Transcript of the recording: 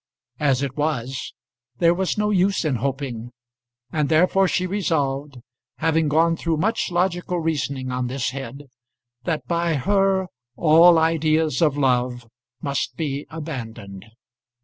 As it was, there was no use in hoping; and therefore she resolved having gone through much logical reasoning on this head that by her all ideas of love must be abandoned.